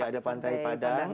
iya ada pantai padang